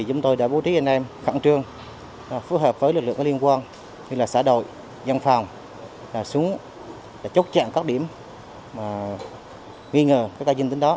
chúng tôi đã bố trí anh em khẳng trương phù hợp với lực lượng liên quan như xã đội dân phòng xuống chốc chạm các điểm nghi ngờ các ca dân tính đó